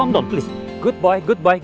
bagus baik baik baik